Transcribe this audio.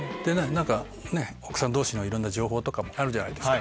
何か奥さん同士のいろんな情報あるじゃないですか。